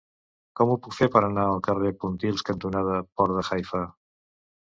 Com ho puc fer per anar al carrer Pontils cantonada Port de Haifa?